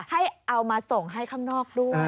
ให้เอามาส่งให้ข้างนอกด้วย